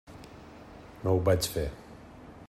No ho vaig fer.